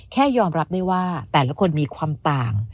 แค่ยอมรับได้ว่าแต่ละคนมีความต่าง